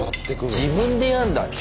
自分でやんだね。